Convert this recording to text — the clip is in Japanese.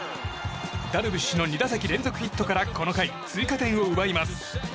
ダルビッシュの２打席連続ヒットからこの回、追加点を奪います。